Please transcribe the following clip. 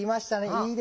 いいですね。